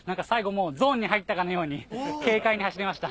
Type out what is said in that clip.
もう、ゾーンに入ったかのように軽快に走れました。